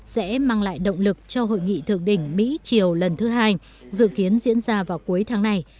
sẽ mang lại động lực cho hội nghị thượng đỉnh mỹ triều lần thứ hai dự kiến diễn ra vào cuối tháng này